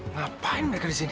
ngapain mereka di sini